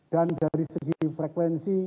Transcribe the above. dan dari segi frekuensi